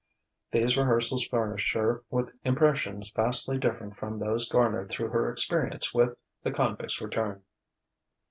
These rehearsals furnished her with impressions vastly different from those garnered through her experience with "The Convict's Return."